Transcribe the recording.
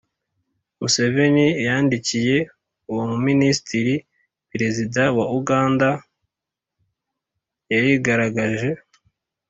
museveni yandikiye uwo mu minisitiri, perezida wa uganda yarigaragaje.